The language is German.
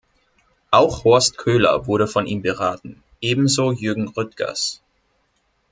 Auch Horst Köhler wurde von ihm beraten, ebenso Jürgen Rüttgers.